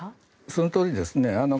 そのとおりですね。